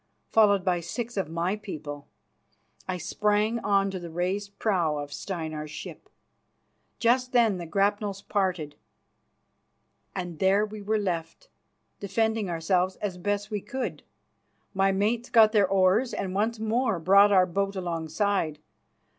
Followed by six of my people, I sprang on to the raised prow of Steinar's ship. Just then the grapnels parted, and there we were left, defending ourselves as best we could. My mates got their oars and once more brought our boat alongside.